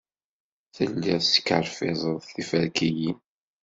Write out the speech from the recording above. Telliḍ teskerfiẓeḍ tiferkiyin.